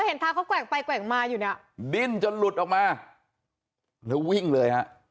เห็นเท้าเขาแกว่งไปแกว่งมาอยู่เนี่ยดิ้นจนหลุดออกมาแล้ววิ่งเลยฮะ